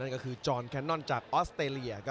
กระสุนจรแคนนอนจากออสเตเรีย